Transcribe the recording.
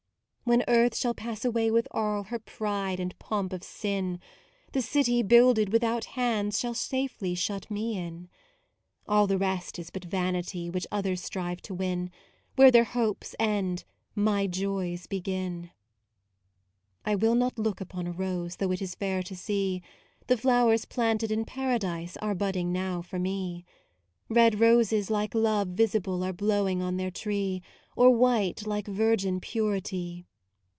When Earth shall pass away with all Her pride and pomp of sin, The City builded without hands Shall safely shut me in. MAUDE 103 All the rest is but vanity Which others strive to win: Where their hopes end my joys begin. I will not look upon a rose, Though it is fair to see, The flowers planted in Paradise Are budding now for me. Red roses like love visible Are blowing on their tree, Or white like virgin purity.